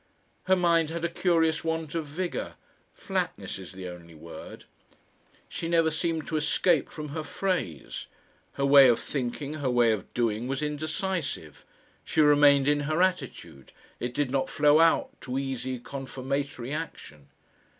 Her mind had a curious want of vigour, "flatness" is the only word; she never seemed to escape from her phrase; her way of thinking, her way of doing was indecisive; she remained in her attitude, it did not flow out to easy, confirmatory action.